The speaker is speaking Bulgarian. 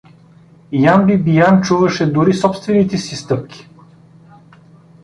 Ян Бибиян чуваше дори собсттвените си стъпки.